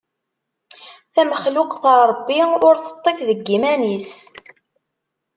Tamexluqt n Ṛebbi, ur teṭṭif deg yiman-is.